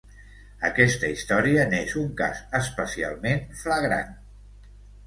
Aquesta història n'és un cas especialment flagrant.